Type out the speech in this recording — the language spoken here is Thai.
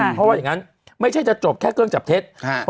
เพราะว่าอย่างนั้นไม่ใช่จะจบแค่เครื่องจับเท็จ